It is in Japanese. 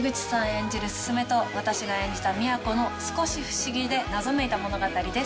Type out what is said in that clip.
演じるススメと私が演じた宮子の少し不思議で謎めいた物語です。